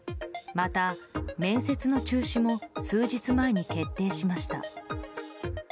また、面接の中止も数日前に決定しました。